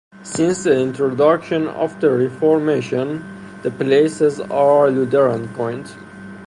Since the introduction of the Reformation, the places are Lutheran coined.